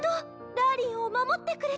ダーリンを守ってくれて。